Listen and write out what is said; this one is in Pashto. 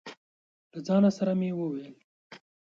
له ځانه سره مې وويل: